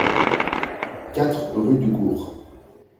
quatre rue Du Cours